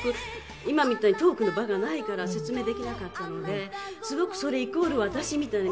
今みたいにトークの場がないから説明できなかったのですごくそれイコール私みたいな見られ方が。